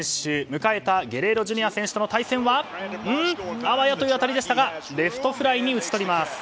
迎えたゲレーロＪｒ．選手との対戦はあわやという当たりでしたがレフトフライに打ち取ります。